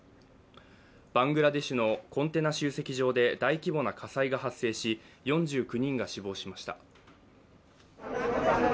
バングラデシュのコンテナ集積場で大規模な火災が発生し４９人が死亡しました。